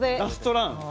ラストラン。